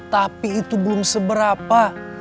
tapi itu belum seberapa